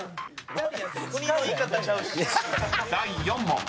⁉［第４問］